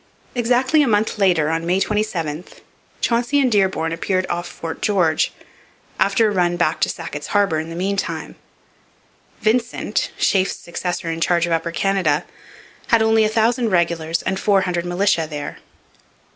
Exactly a month later, on May 27, Chauncey and Dearborn appeared off Fort George, after a run back to Sackett's Harbour in the meantime. Vincent, Sheaffe's successor in charge of Upper Canada, had only a thousand regulars and four hundred militia there.